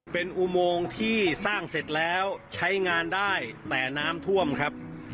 เป็นอุโมงที่สร้างเสร็จแล้วใช้งานได้แต่น้ำท่วมครับ